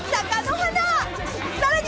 ［さらに］